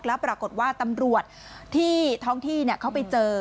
แล้วปรากฏว่าตำรวจที่ท้องที่เขาไปเจอ